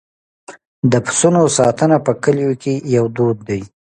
د پسونو ساتنه په کلیو کې یو دود دی.